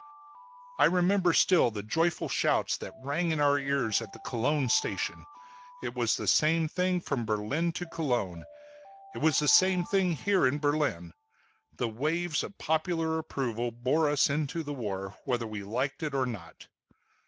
I remember still the joyful shouts that rang in our ears at the Cologne station; it was the same thing from Berlin to Cologne; it was the same thing here in Berlin. The waves of popular approval bore us into the war, whether we liked it or not.